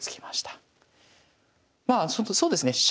まあそうですね